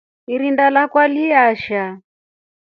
Irinda lakwa liyasha.